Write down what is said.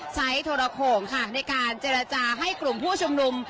โทรโขงค่ะในการเจรจาให้กลุ่มผู้ชุมนุม